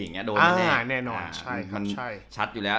อย่างเงี้ยโดนแน่นอนใช่ใช่มันใช่ชัดอยู่แล้ว